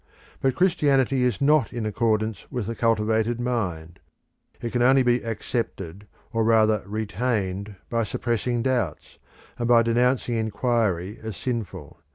But Christianity is not in accordance with the cultivated mind; it can only be accepted or rather retained by suppressing doubts, and by denouncing inquiry as sinful.